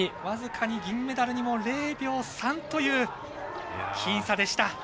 僅かに銀メダルに０秒３という僅差でした。